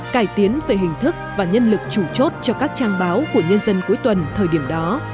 cải tiến về hình thức và nhân lực chủ chốt cho các trang báo của nhân dân cuối tuần thời điểm đó